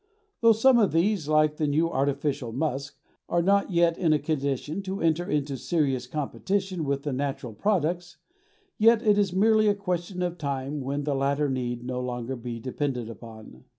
Though some of these, like the new artificial musk, are not yet in a condition to enter into serious competition with the natural products, yet it is merely a question of time when the latter need no longer be depended upon.